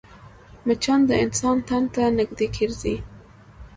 مچان د انسان تن ته نږدې ګرځي